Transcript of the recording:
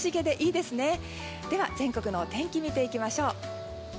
では、全国のお天気見ていきましょう。